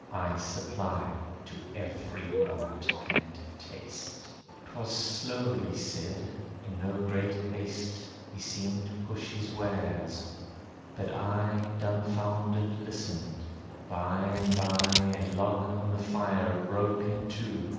I supply to every want and taste." 'Twas slowly said, in no great haste He seemed to push his wares, but I Dumfounded listened. By and by A log on the fire broke in two.